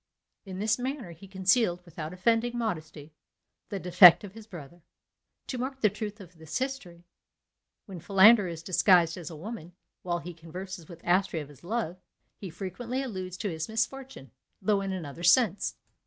In this manner he concealed, without offending modesty, the defect of his brother. To mark the truth of this history, when Philander is disguised as a woman, while he converses with Astrea of his love, he frequently alludes to his misfortune, although in another sense.